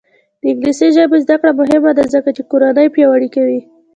د انګلیسي ژبې زده کړه مهمه ده ځکه چې کورنۍ پیاوړې کوي.